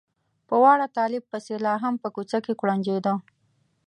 په واړه طالب پسې لا هم په کوڅه کې کوړنجېده.